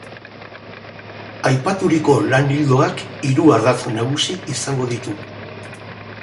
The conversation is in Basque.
Aipaturiko lan-ildoak hiru ardatz nagusi izango ditu.